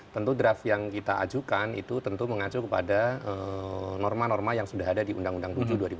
tentu draft yang kita ajukan itu tentu mengacu kepada norma norma yang sudah ada di undang undang tujuh dua ribu tujuh belas